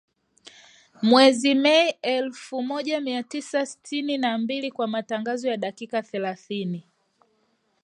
Mwezi Mei elfu moja mia tisa sitini na mbili kwa matangazo ya dakika thelathini